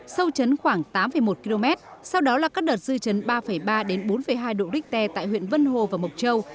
sâu chấn khoảng tám một km sau đó là các đợt dư chấn ba ba đến bốn hai độ richter tại huyện vân hồ và mộc châu